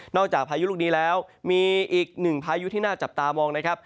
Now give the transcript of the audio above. จากพายุลูกนี้แล้วมีอีกหนึ่งพายุที่น่าจับตามองนะครับ